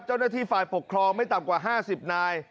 เจ้าหน้าที่ฝ่ายปกครองไม่ต่ำกว่า๕๐นาย